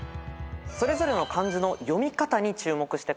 それぞれの漢字の読み方に注目して考えましょう。